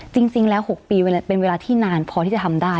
จริงแล้ว๖ปีเป็นเวลาที่นานพอที่จะทำได้